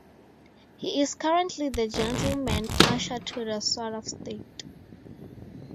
He is currently the Gentleman Usher to the Sword of State.